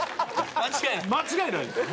間違いないんですよ！